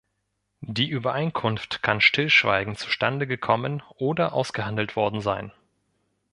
Die Übereinkunft kann stillschweigend zustande gekommen oder ausgehandelt worden sein.